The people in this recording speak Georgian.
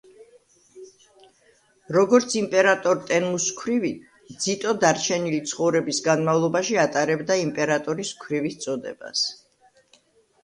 როგორც იმპერატორ ტენმუს ქვრივი, ძიტო დარჩენილი ცხოვრების განმავლობაში ატარებდა იმპერატორის ქვრივის წოდებას.